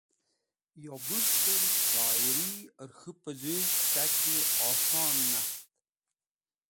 Yo bus̃htẽr shoyiri hẽr k̃hũ pẽzũv kẽt̃aki oson nast